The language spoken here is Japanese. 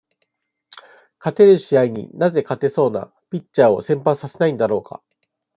勝てる試合に、なぜ勝てそうなピッチャーを先発させないのだろうか。